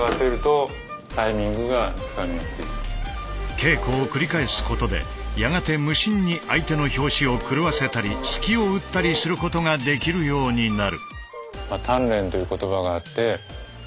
稽古を繰り返すことでやがて無心に相手の拍子を狂わせたり隙を打ったりすることができるようになる。